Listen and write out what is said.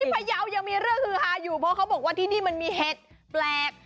ที่เพยายังมีเรื่องฮาอยู่เพราะเขาบอกว่าที่นี่มันมีเหตุแพรก